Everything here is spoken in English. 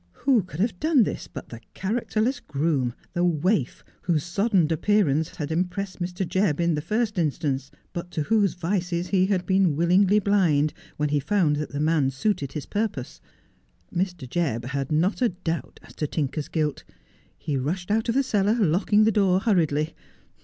Who could have done this but the characterless groom, the waif, whose soddened appearance had impressed Mr. Jebb in the first instance, but to whose vices he had been willingly blind when he found that the man suited his purpose ? Mr. Jebb had not a doubt as to Tinker's guilt. He rushed out of the cellar, locking the door hurriedly.